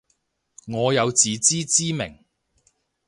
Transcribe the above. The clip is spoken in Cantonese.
我有自知之明